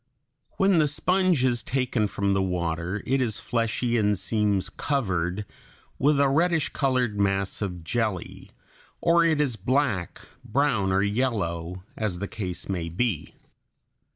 When the sponge is taken from the water it is fleshy and seems covered with a reddish colored mass of jelly, or it is black, brown, or yellow, as the case may be.